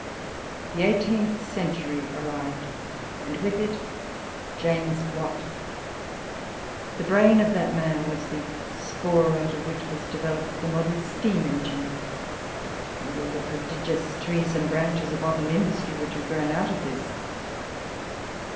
The eighteenth century arrived, and with it James Watt. The brain of that man was the spore out of which was developed the modern steam engine, and all the prodigious trees and branches of modern industry which have grown out of this.